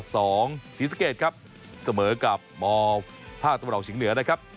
สีสเกดครับเสมอกับมภาคตะวันเหล่าชิงเหนือนะครับ